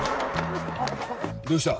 どうした？